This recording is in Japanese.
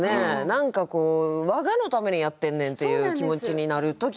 何かこう我がのためにやってんねんっていう気持ちになる時はありますね